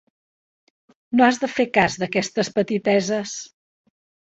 No has de fer cas d'aquestes petiteses.